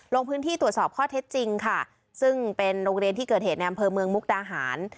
ลงพื้นที่ตรวจสอบข้อเท็จจริงค่ะซึ่งเป็นโรงเรียนที่เกิดเหตุในอำเภอเมืองมุกดาหาร